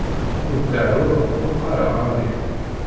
Ur deɛɛuɣ, ur qqaṛeɣ amin.